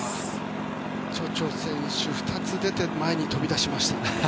チョチョ選手２つ受けていて前に飛び出しました。